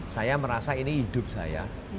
saya merasa ini hidup saya